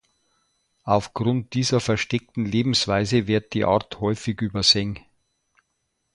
Aufgrund dieser versteckten Lebensweise wird die Art häufig übersehen.